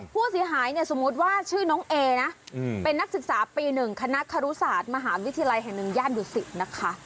ผู้เสียหายเนี่ยสมมุติว่าชื่อน้องเอนะเป็นนักศึกษาปี๑คณะคารุศาสตร์มหาวิทยาลัยแห่งหนึ่งย่านดุสิตนะคะ